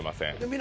皆